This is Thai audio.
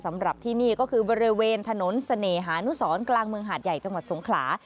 สำหรับที่นี่ก็คือบริเวณถนนเสน่หานุสรกลางเมืองหาดใหญ่จังหวัดสงขลา